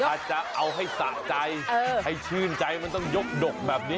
อาจจะเอาให้สะใจให้ชื่นใจมันต้องยกดกแบบนี้